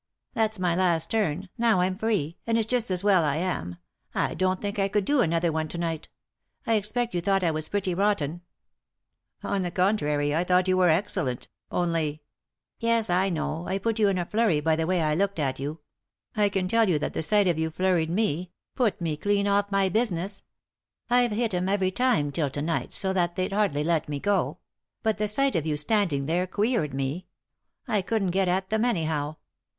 " That's my last turn ; now I'm free, and it's just as well I am ; I don't think I could do another one to night I expect you thought I was pretty rotten." "On the contrary, I thought you were excellent ; only " 234 , r ™ n , Google THE INTERRUPTED KISS " Yes, I know, I put you in a flurry by the way I looked at you. I can tell you that the sight of you flurried me — put me clean off my business. I've hit 'em every time till to night so that they'd hardly let me go ; but the sight of you standing there queered me ; I couldn't get at them anyhow.